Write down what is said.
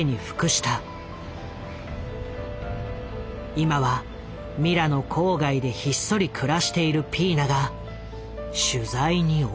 今はミラノ郊外でひっそり暮らしているピーナが取材に応じた。